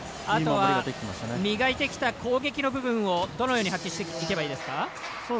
あとは磨いてきた攻撃力分を、どのように発揮していけばいいですか。